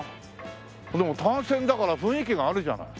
でも単線だから雰囲気があるじゃない。